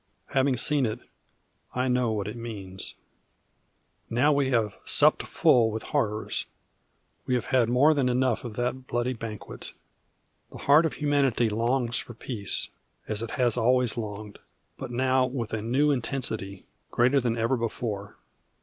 Having seen it, I know what it means. Now we have "supped full with horrors." We have had more than enough of that bloody banquet The heart of humanity longs for peace, as it has always longed, but now with a new intensity, greater than ever before.